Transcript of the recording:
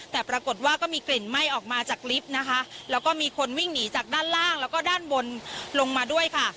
แต่ปรากฏว่าก็มีกลิ่นไหม้ออกมาจากลิฟต์นะคะแล้วก็มีคนวิ่งหนีจากด้านล่างแล้วก็ด้านบนลงมาด้วยค่ะ